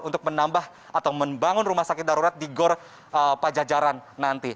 untuk menambah atau membangun rumah sakit darurat di gor pajajaran nanti